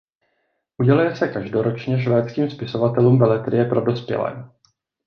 Uděluje se každoročně švédským spisovatelům beletrie pro dospělé.